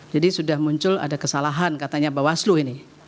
jadi sudah muncul ada kesalahan katanya bawaslu ini